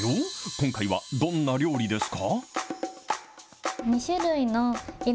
今回はどんな料理ですか？